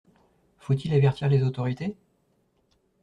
Faut-il avertir les autorités?